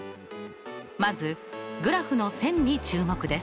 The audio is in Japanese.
まずグラフの線に注目です。